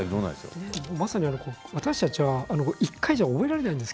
私たちは１回じゃ覚えられないんです